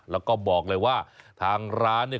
แล้วก็บอกเลยว่าทางร้านเนี่ย